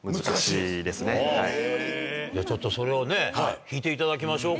じゃあちょっとそれをね弾いていただきましょうか。